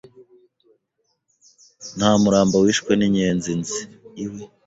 Nta murambo wishwe n’inyenzi nzi!!